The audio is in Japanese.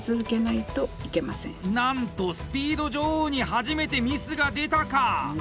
なんと、スピード女王に初めてミスが出たか！